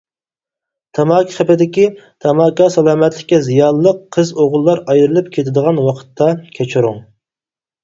تاماكا قېپىدىكى:تاماكا سالامەتلىككە زىيانلىق قىز ئوغۇللار ئايرىلىپ كېتىدىغان ۋاقىتتا:كەچۈرۈڭ.